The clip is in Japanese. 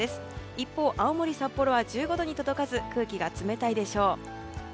一方青森、札幌は１５度に届かず空気が冷たいでしょう。